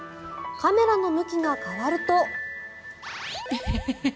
カメラの向きが変わると。